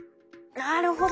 なるほど！